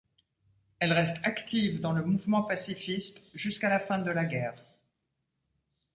Elle reste active dans le mouvement pacifiste jusqu'à la fin de la guerre.